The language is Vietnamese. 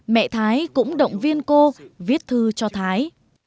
mẹ thái cũng động viên cô viết thư cho thái